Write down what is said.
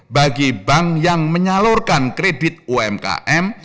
bagi bank yang menyalurkan kredit umkm